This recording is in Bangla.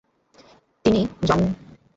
তিনি রেভারেন্ড জন জমির উদ্দিন নাম ধারণ করেন।